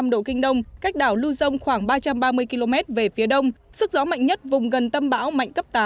một trăm hai mươi ba năm độ kinh đông cách đảo lưu dông khoảng ba trăm ba mươi km về phía đông sức gió mạnh nhất vùng gần tâm bão mạnh cấp tám